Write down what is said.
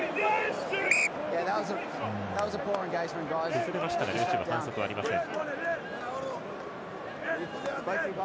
崩れましたが反則はありません。